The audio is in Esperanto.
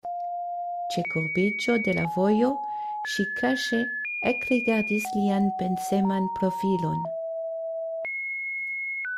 Ĉe kurbiĝo de la vojo ŝi kaŝe ekrigardis lian penseman profilon.